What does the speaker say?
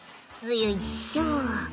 よいしょ。